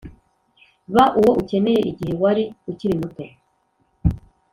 ba uwo ukeneye igihe wari ukiri muto.